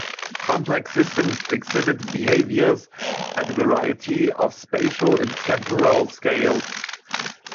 Complex systems exhibit behaviors at a variety of spatial and temporal scales.